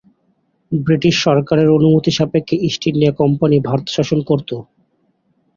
British সরকারের অনুমতি সাপেক্ষে ইস্ট ইন্ডিয়া কোম্পানি ভারত শাসন করতো।